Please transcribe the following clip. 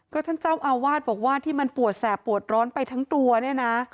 ท่านเจ้าอาวาสบอกว่าที่มันปวดแสบปวดร้อนไปทั้งตัวเนี่ยนะ